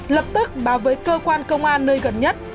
lập tức báo với cơ quan công an nơi gần nhất